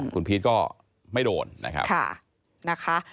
คุณพีทก็ไม่โดนนะคะ